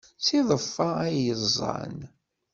D tiḍeffa ay ẓẓan.